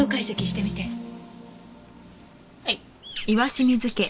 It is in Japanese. はい。